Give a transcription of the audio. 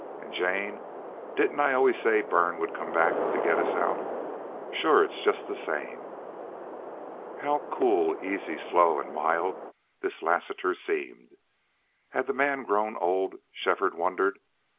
An', Jane, didn't I always say Bern would come back to get us out? Shore it's just the same." How cool, easy, slow, and mild this Lassiter seemed! Had the man grown old, Shefford wondered?